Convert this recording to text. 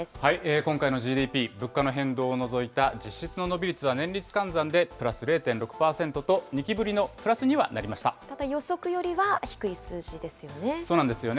今回のＧＤＰ、物価の変動を除いた実質の伸び率は年率換算でプラス０．６％と、ただ予測よりは低い数字ですそうなんですよね。